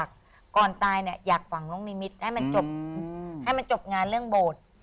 ก่อนตายอยากฝังลูกนิมิตรให้มันจบงานเรื่องโบสถ์